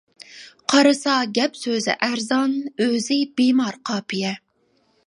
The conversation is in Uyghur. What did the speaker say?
قارىسا گەپ-سۆزى ئەرزان، ئۆزى بىمار قاپىيە.